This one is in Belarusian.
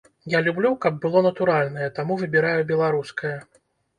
Я люблю, каб было натуральнае, таму выбіраю беларускае.